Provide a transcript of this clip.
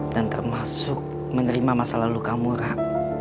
dan termasuk menerima masa lalu kamu rak